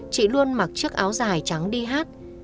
chị luôn mặc chiếc áo dài trắng đi hát